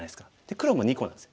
黒も２個なんですよ。